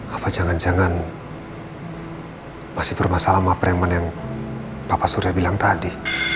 apa jangan jangan masih bermasalah sama preman yang bapak surya bilang tadi